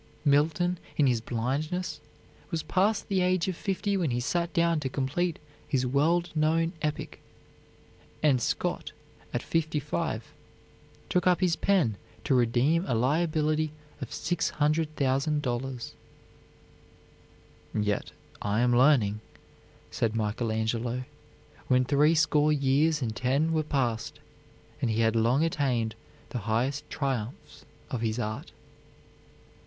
Milton, in his blindness, was past the age of fifty when he sat down to complete his world known epic, and Scott at fifty five took up his pen to redeem a liability of $600,000. "Yet I am learning," said Michael Angelo, when threescore years and ten were past, and he had long attained the highest triumphs of his art.